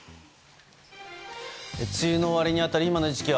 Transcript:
梅雨の終わりに当たる今の時期は